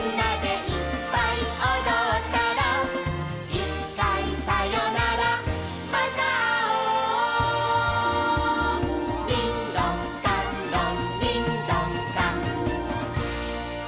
「いっかいさよならまたあおう」「りんどんかんろんりんどんかん」